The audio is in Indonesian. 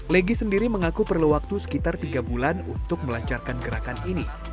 legi sendiri mengaku perlu waktu sekitar tiga bulan untuk melancarkan gerakan ini